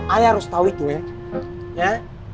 ale harus tau itu ya